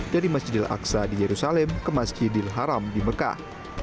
dari masjid al aqsa di yerusalem ke masjidil haram di mekah